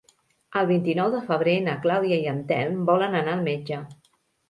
El vint-i-nou de febrer na Clàudia i en Telm volen anar al metge.